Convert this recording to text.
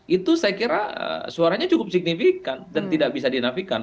itu saya kira suaranya cukup signifikan dan tidak bisa dinafikan